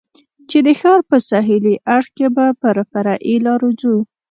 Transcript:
چې د ښار په سهېلي اړخ کې به پر فرعي لارو ځو.